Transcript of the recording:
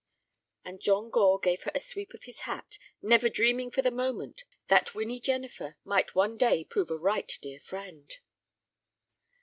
And John Gore gave her a sweep of his hat, never dreaming for the moment that Winnie Jennifer might one day prove a right dear friend.